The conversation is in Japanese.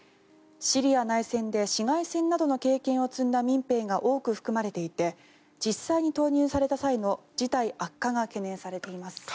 シリア内戦で市街戦などの経験を積んだ民兵が多く含まれていて実際に投入された際の事態悪化が懸念されています。